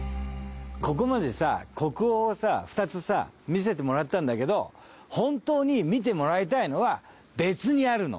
ここまでさ国宝をさ２つさ見せてもらったんだけど本当に見てもらいたいのは別にあるの。